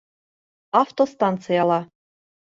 Автостанцияла